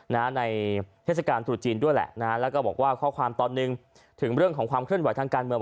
ในเทศกาลตรุษจีนด้วยแหละนะฮะแล้วก็บอกว่าข้อความตอนหนึ่งถึงเรื่องของความเคลื่อนไหวทางการเมือง